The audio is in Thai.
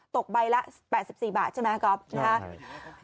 ตกใบละ๘๔บาทใช่ไหมครับครับ